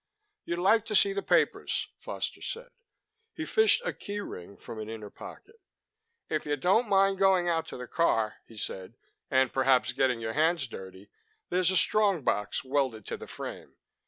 "You'd like to see the papers," Foster said. He fished a key ring from an inner pocket. "If you don't mind going out to the car," he said, "and perhaps getting your hands dirty, there's a strong box welded to the frame.